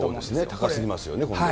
高すぎますよね。